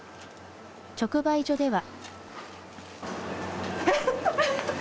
直売所では。